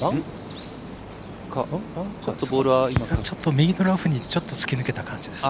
右のラフにちょっと突き抜けた感じです。